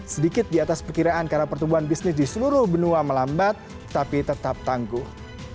sedikit di atas perkiraan karena pertumbuhan bisnis di seluruh benua melambat tapi tetap tangguh